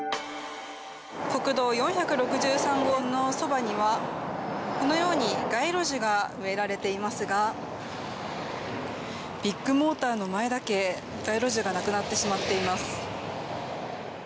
国道４６３号のそばにはこのように街路樹が植えられていますがビッグモーターの前だけ街路樹がなくなってしまっています。